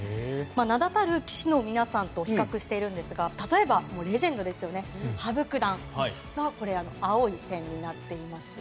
名だたる棋士の皆さんと比較していますが例えば、レジェンドの羽生九段が青い線になっています。